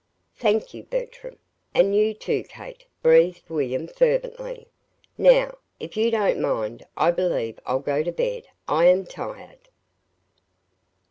"Thank you, Bertram, and you, too, Kate," breathed William, fervently. "Now, if you don't mind, I believe I'll go to bed. I am tired!"